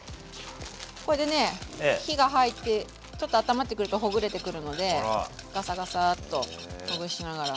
これでね火が入ってちょっとあったまってくるとほぐれてくるのでガサガサーッとほぐしながら。